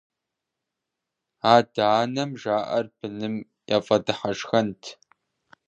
Адэ-анэм жаӀэр быным яфӀэдыхьэшхэнт.